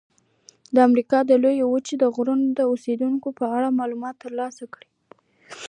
د امریکا د لویې وچې د غرونو او سیندونو په اړه معلومات ترلاسه کړئ.